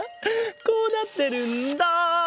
こうなってるんだ。